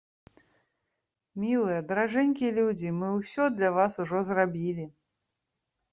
Мілыя, даражэнькія людзі, мы ўсё для вас ужо зрабілі!